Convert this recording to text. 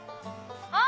あっ！